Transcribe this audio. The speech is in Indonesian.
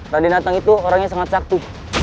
raden atang itu orang yang sangat sakti